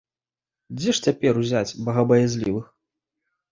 Дзе ж цяпер узяць богабаязлівых?